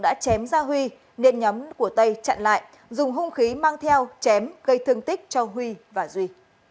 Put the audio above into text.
đã chém gia huy nên nhóm của tây chặn lại dùng hung khí mang theo chém gây thương tích cho huy và duy